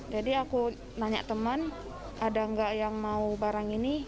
jadi aku nanya teman ada nggak yang mau barang ini